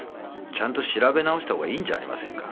ちゃんと調べ直した方がいいんじゃありませんか？